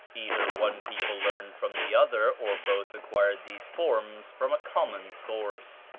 Either one people learned from the other, or both acquired these forms from a common source.